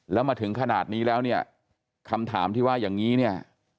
แล้วมาถึงขนาดนี้แล้วเนี่ยคำถามที่ว่าอย่างนี้เนี่ย